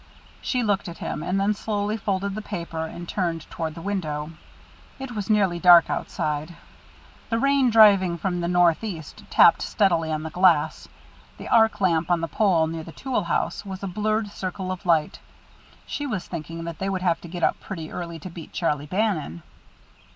She looked at him, and then slowly folded the paper and turned toward the window. It was nearly dark outside. The rain, driving down from the northeast, tapped steadily on the glass. The arc lamp, on the pole near the tool house, was a blurred circle of light. She was thinking that they would have to get up pretty early to beat Charlie Bannon.